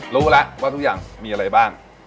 รู้แล้วว่าทุกอย่างมีอะไรบ้าง